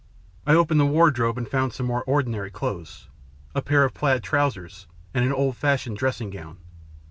I opened the wardrobe and found some more ordinary clothes, a pair of plaid trousers, and an old fashioned dressing gown.